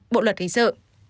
bộ luật hình sự